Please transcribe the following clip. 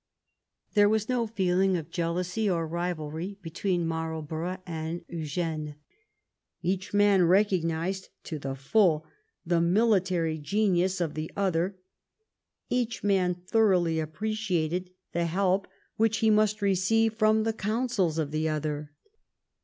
There was no feeling of jealousy or rivalry between Marlborough and Eugene. Each man recognized to the full the military genius of the other; each man thoroughly appreciated the help which he must receive from the counsels of the other.